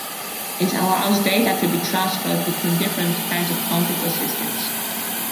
It allows data to be transferred between different kinds of computer systems.